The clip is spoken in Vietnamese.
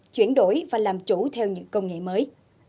chuyển đổi và làm chủ theo những công nghệ mới